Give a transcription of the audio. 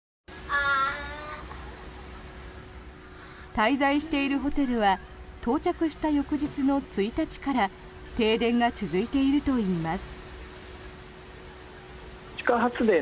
滞在しているホテルは到着した翌日の１日から停電が続いているといいます。